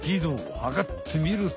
はかってみると。